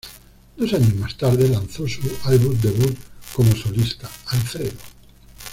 Dos años más tarde, lanzó su álbum debut como solista, "Alfredo".